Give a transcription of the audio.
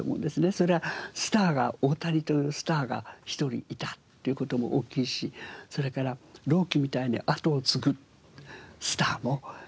それはスターが大谷というスターが一人いたっていう事も大きいしそれから朗希みたいに後を継ぐスターもいた。